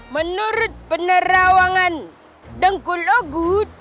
menurut penerawangan dengku logut